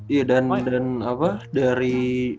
iya dan apa dari